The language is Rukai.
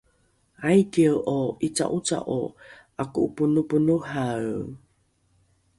aikie’o ’ica’oca’o ’ako’oponoponohae?